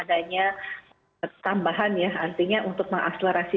jadi adanya tambahan ya artinya untuk mengakselerasi